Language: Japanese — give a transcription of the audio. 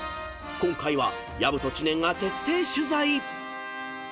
今回は薮と知念が徹底取材］